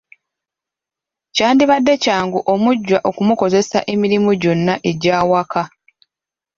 Kyandibadde kyangu omujjwa okumukozesa emirimu gyonna egy’awaka.